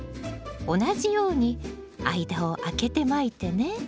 同じように間を空けてまいてね。